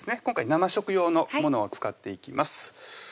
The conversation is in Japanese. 今回生食用のものを使っていきます